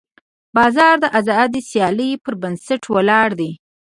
بازار د ازادې سیالۍ پر بنسټ ولاړ دی.